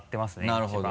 なるほど。